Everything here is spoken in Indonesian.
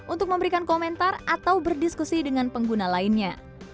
untuk memberikan komentar atau berdiskusi dengan pengguna lainnya